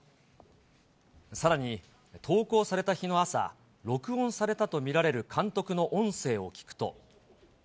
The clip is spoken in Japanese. さらに、投稿された日の朝、録音されたと見られる監督の音声を聞くと。